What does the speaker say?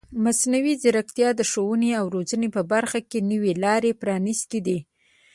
مصنوعي ځیرکتیا د ښوونې او روزنې په برخه کې نوې لارې پرانیستې دي.